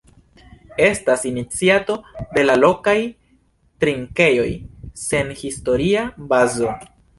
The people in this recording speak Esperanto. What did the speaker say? Estas iniciato de la lokaj trinkejoj sen historia bazo.